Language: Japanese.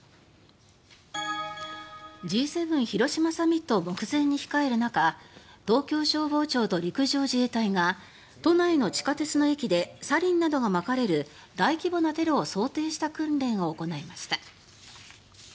Ｇ７広島サミットを目前に控える中東京消防庁と陸上自衛隊が都内の地下鉄の駅でサリンなどがまかれる大規模なテロを想定した訓練を行いました。